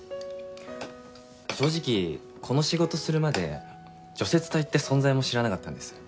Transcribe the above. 正直この仕事するまで除雪隊って存在も知らなかったんです。